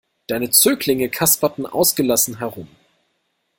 Deine Zöglinge kasperten ausgelassen herum.